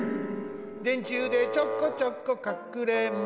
「でんちゅうでちょこちょこかくれんぼ」